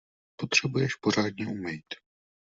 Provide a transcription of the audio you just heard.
Potřebuješ pořádně umejt!